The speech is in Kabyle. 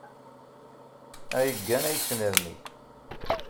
Ad yeggan ad yettnerni.